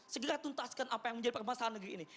segera tuntaskan apa yang menjadi permasalahan negeri ini